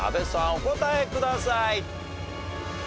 お答えください。